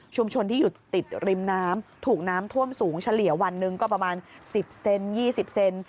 ที่อยู่ติดริมน้ำถูกน้ำท่วมสูงเฉลี่ยวันหนึ่งก็ประมาณ๑๐เซน๒๐เซน